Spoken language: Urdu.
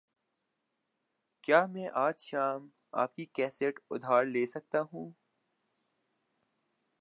کیا میں آج شام آپکی کیسٹ ادھار لے سکتا ہوں؟